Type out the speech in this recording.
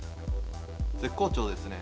絶好調ですね。